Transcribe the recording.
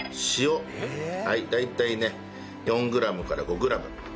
大体ね４グラムから５グラム。